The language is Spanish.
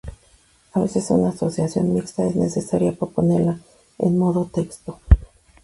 A veces una asociación mixta es necesaria ponerla en modo texto.